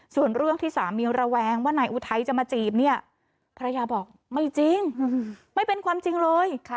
ส่วนเรื่องที่สามีระแวงว่านายอุทัยจะมาจีบเนี่ยภรรยาบอกไม่จริงไม่เป็นความจริงเลย